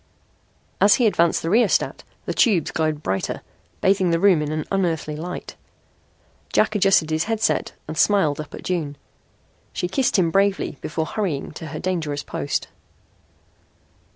As he advanced the rheostat the tubes glowed brighter, bathing the room in unearthly light. Jack adjusted his headset, and smiled up at June. She kissed him bravely before hurrying to her dangerous post.